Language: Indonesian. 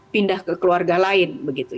pindah ke keluarga lain